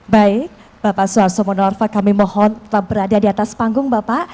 baik bapak suarso monoarfa kami mohon tetap berada di atas panggung bapak